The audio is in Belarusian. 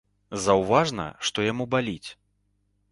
Заўважна, што яму баліць.